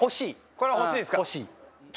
これは欲しいですか？